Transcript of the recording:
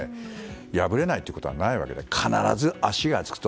破れないということはないわけで必ず足がつくと。